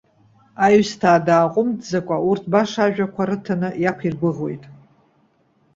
Аҩсҭаа дааҟәымҵӡакәа урҭ баша ажәақәа рыҭаны, иақәиргәыӷуеит.